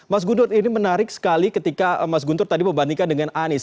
mas guntur ini menarik sekali ketika mas guntur tadi membandingkan dengan anies